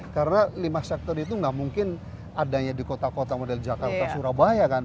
karena lima sektor itu nggak mungkin adanya di kota kota model jakarta surabaya kan